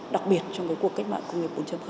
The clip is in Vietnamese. đặc biệt trong cuộc cách mạng